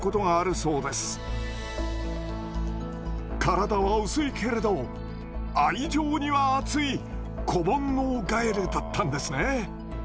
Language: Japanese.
体は薄いけれど愛情にはあつい子ぼんのうガエルだったんですね。